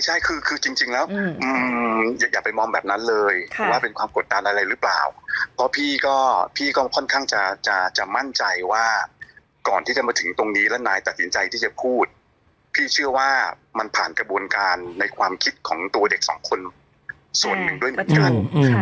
ใช่คือคือจริงแล้วอย่าไปมองแบบนั้นเลยว่าเป็นความกดดันอะไรหรือเปล่าเพราะพี่ก็พี่ก็ค่อนข้างจะจะมั่นใจว่าก่อนที่จะมาถึงตรงนี้แล้วนายตัดสินใจที่จะพูดพี่เชื่อว่ามันผ่านกระบวนการในความคิดของตัวเด็กสองคนส่วนหนึ่งด้วยเหมือนกัน